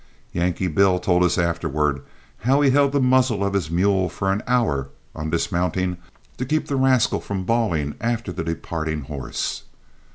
Yankee Bill told us afterward how he held the muzzle of his mule for an hour on dismounting, to keep the rascal from bawling after the departing horse.